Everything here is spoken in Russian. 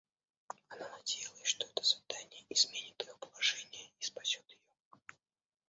Она надеялась, что это свидание изменит их положение и спасет ее.